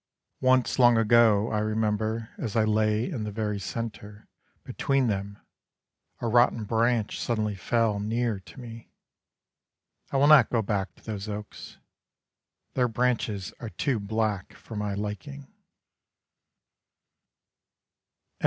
Once long ago I remember As I lay in the very centre, Between them: A rotten branch suddenly fell Near to me. I will not go back to those oaks: Their branches are too black for my liking.